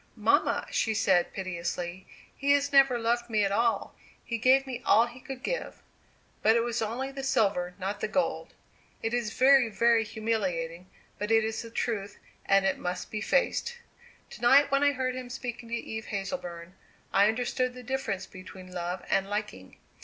"Mamma," she said, piteously, "he has never loved me at all. He gave me all he could give; but it was only the silver, not the gold. It is very, very humiliating, but it is the truth, and it must be faced. To night when I heard him speaking to Eve Hazleburn, I understood the difference between love and liking.